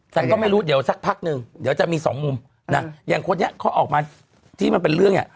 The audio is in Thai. แต่ก็ไม่รู้เดี๋ยวสักพักหนึ่งเดี๋ยวจะมีสองมุมนะอย่างคนนี้เขาออกมาที่มันเป็นเรื่องเนี่ย